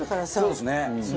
そうですね。